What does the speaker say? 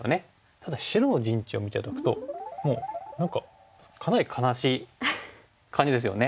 ただ白の陣地を見て頂くともう何かかなり悲しい感じですよね。